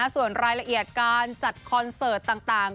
ส่วนรายละเอียดการจัดคอนเสิร์ตต่าง